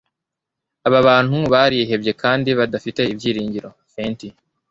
Aba bantu barihebye kandi badafite ibyiringiro. (fanty)